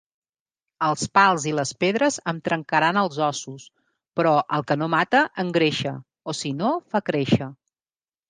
Els pals i les pedres em trencaran els ossos, però el que no mata, engreixa, o si no fa créixer.